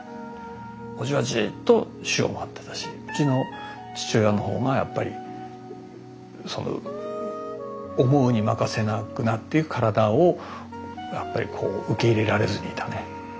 叔父はじっと死を待ってたしうちの父親のほうがやっぱり思うに任せなくなっていく体をやっぱりこう受け入れられずにいたね。